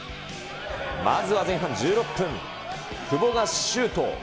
まずは前半１６分、久保がシュート。